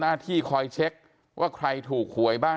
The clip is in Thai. ความปลอดภัยของนายอภิรักษ์และครอบครัวด้วยซ้ำ